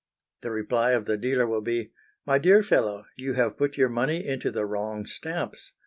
The reply of the dealer will be, "My dear fellow, you have put your money into the wrong stamps.